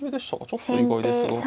ちょっと意外ですが。